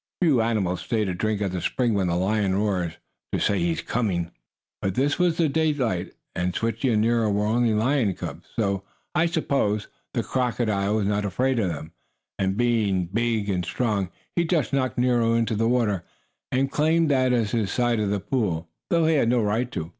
Few animals stay to drink at the spring when the lion roars, to say he is coming. But this was in daylight and Switchie and Nero were only lion cubs, so, I suppose, the crocodile was not afraid of them. And, being big and strong, he just knocked Nero into the water, and claimed that as his side of the pool, though he had no right to.